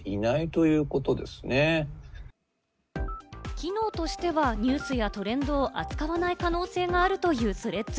機能としてはニュースやトレンドを扱わない可能性があるというスレッズ。